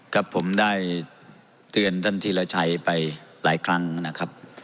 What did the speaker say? ครับผมได้เตือนท่านธีรชัยไปหลายครั้งนะครับ